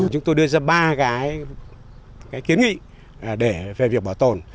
chúng tôi đưa ra ba cái kiến nghị về việc bảo tồn